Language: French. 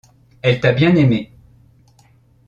Elle t’a bien aimée.